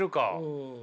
うん。